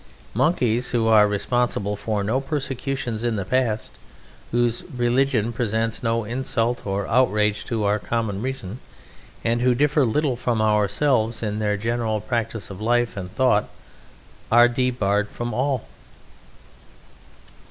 Monkeys, who are responsible for no persecutions in the past, whose religion presents no insult or outrage to our common reason, and who differ little from ourselves in their general practice of life and thought, are debarred from all!